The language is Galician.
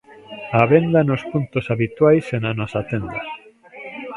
Á venda nos puntos habituais e na nosa tenda.